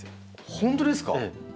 本当ですか？